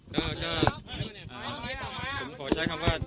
ก็คือผมขอแจ้งคำว่า